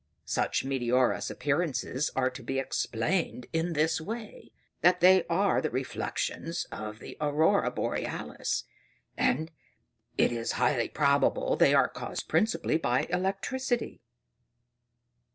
Such meteorous appearances are to be explained in this way that they are the reflections of the Aurora Borealis, and it is highly probable they are caused principally by electricity."